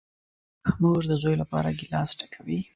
مور ده زوی لپاره گیلاس ډکوي .